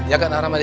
iya gak naramadi